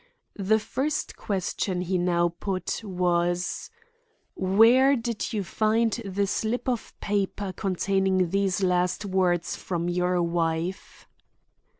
The first question he now put was: "Where did you find the slip of paper containing these last words from your wife?"